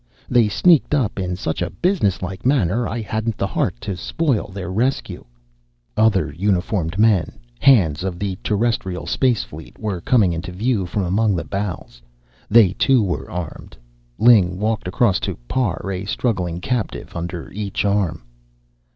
"They sneaked up in such a business like manner, I hadn't the heart to spoil their rescue." Other uniformed men hands of the Terrestrial Space Fleet were coming into view from among the boughs. They, too, were armed. Ling walked across to Parr, a struggling captive under each arm.